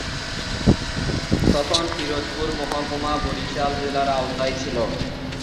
তখন পিরোজপুর মহকুমা বরিশাল জেলার আওতায় ছিল।